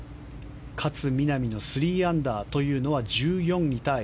勝みなみの３アンダーというのは１４位タイ。